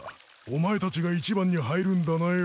お前たちが一番に入るんだなよ。